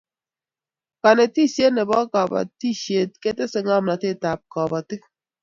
kanetishiet nebo kabatishiet kotese ngamnatet ab kabatik